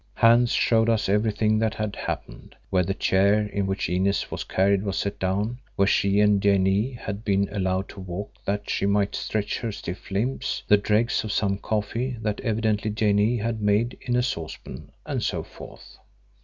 Hans showed us everything that had happened; where the chair in which Inez was carried was set down, where she and Janee had been allowed to walk that she might stretch her stiff limbs, the dregs of some coffee that evidently Janee had made in a saucepan, and so forth.